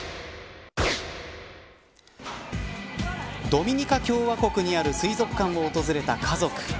ドミニカ共和国にある水族館を訪れた家族。